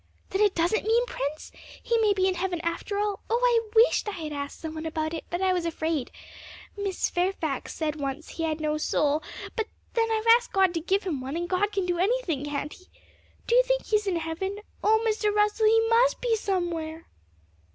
'Then it doesn't mean Prince? He may be in heaven after all? Oh, I wish I had asked some one about it, but I was afraid! Miss Fairfax said once he had no soul; but then I've asked God to give him one, and God can do anything, can't He? Do you think he is in heaven? Oh, Mr. Russell, he must be somewhere!'